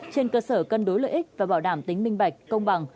trên cơ sở cân đối lợi ích và bảo đảm tính minh bạch công bằng